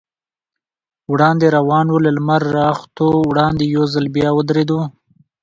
وړاندې روان و، له لمر راختو وړاندې یو ځل بیا ودرېدو.